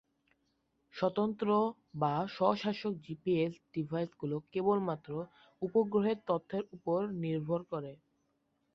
স্বতন্ত্র/স্ব-শাসক GPS ডিভাইসগুলি কেবলমাত্র উপগ্রহের তথ্যের উপর নির্ভর করে।